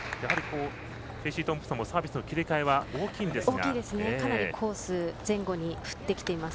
フェイシートンプソンもサービスの切り替えは大きいんですが。